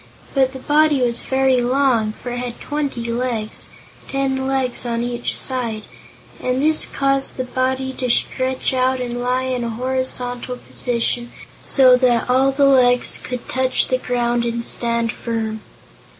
But the body was very long, for it had twenty legs ten legs on each side and this caused the body to stretch out and lie in a horizontal position, so that all the legs could touch the ground and stand firm.